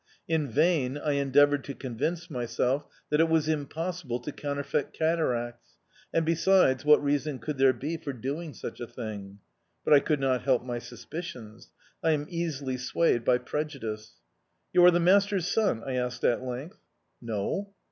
In vain I endeavoured to convince myself that it was impossible to counterfeit cataracts; and besides, what reason could there be for doing such a thing? But I could not help my suspicions. I am easily swayed by prejudice... "You are the master's son?" I asked at length. "No."